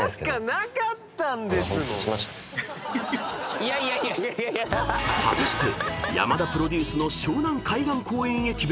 ［果たして山田プロデュースの湘南海岸公園駅